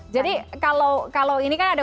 jadi kalau ini kan ada